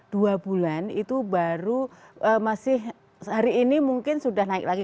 dua bulan itu baru masih hari ini mungkin sudah naik lagi